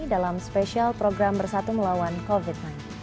dalam spesial program bersatu melawan covid sembilan belas